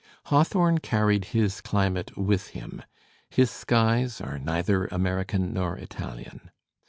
Hawthorne carried his climate with him, his skies are neither American nor Italian.